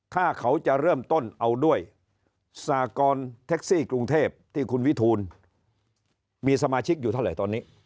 ถ้าเขาจะเริ่มต้นเอาด้วยสากรแท็กซี่กรุงเทพที่คุณวิทูลมีสมาชิกอยู่เท่าไหร่ตอนนี้